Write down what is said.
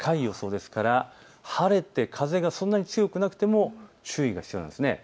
ですから晴れて風がそんなに強くなくても注意が必要です。